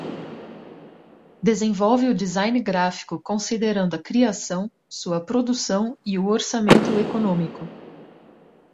Desenvolve o design gráfico considerando a criação, sua produção e o orçamento econômico.